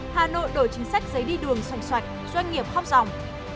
hà nội đổi chính sách giấy đi đường soạn soạn doanh nghiệp khóc ròng